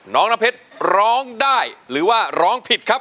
น้องน้ำเพชรร้องได้หรือว่าร้องผิดครับ